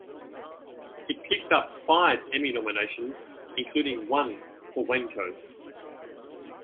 It picked up five Emmy nominations, including one for Wendkos.